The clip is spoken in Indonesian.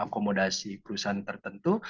dan akomodasi perusahaan tertentu